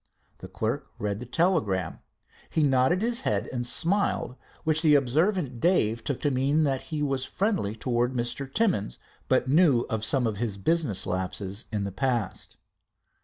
The clerk read the telegram. He nodded his head and smiled, which the observant Dave took to mean that he was friendly towards Mr. Timmins, but knew of some of his business lapses in the past.